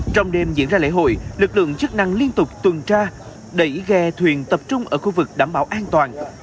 trong đêm diễn ra lễ hội lực lượng chức năng liên tục tuần tra đẩy ghe thuyền tập trung ở khu vực đảm bảo an toàn